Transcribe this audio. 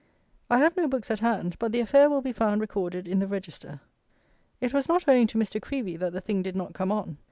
I have no books at hand; but the affair will be found recorded in the Register. It was not owing to Mr. Creevey that the thing did not come on.